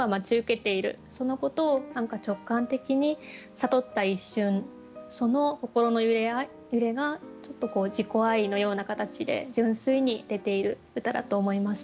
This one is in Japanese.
そのことを何か直感的に悟った一瞬その心の揺れがちょっとこう自己愛のような形で純粋に出ている歌だと思いました。